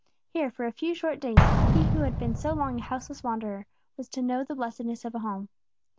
Here, for a few short days, He who had been so long a houseless wanderer was to know the blessedness of a home.